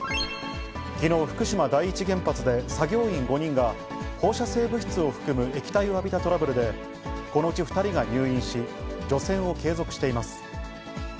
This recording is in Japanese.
きのう、福島第一原発で、作業員５人が放射性物質を含む液体を浴びたトラブルで、このうち２人が入院し、除染を継続しています。